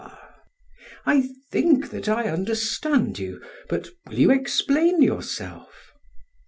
PHAEDRUS: I think that I understand you; but will you explain yourself?